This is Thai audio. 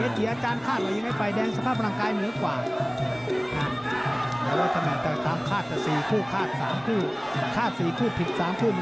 ตุกแทงเย้ย้อนสอนมาแบบนี้มันจุกมันเจ็บไปหมดนี่